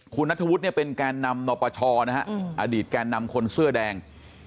คุณนัทธวุฒิเป็นแก่นนำนปชรอดีตแก่นนำคนเสื้อแดง